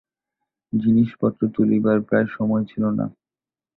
জিনিসপত্র তুলিবার প্রায় সময় ছিল না।